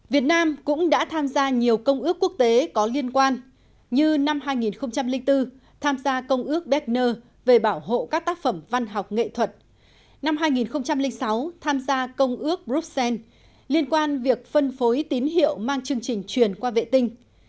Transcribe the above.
việt nam cũng đã tham gia nhiều công ước quốc tế có liên quan như năm hai nghìn bốn tham gia công ước bechner về bảo hộ các tác phẩm văn học nghệ thuật năm hai nghìn sáu tham gia công ước bruxelles liên quan việc phân phối tín hiệu mang chương trình truyền qua vệ tinh